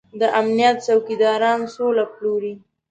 د امنيت څوکيداران سوله پلوري.